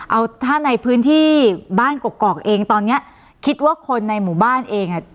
เอาถ้าในพื้นที่บ้านกกอกเองตอนเนี้ยคิดว่าคนในหมู่บ้านเองอ่ะ